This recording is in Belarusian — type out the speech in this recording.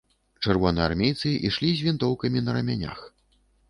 Чырвонаармейцы ішлі з вінтоўкамі на рамянях.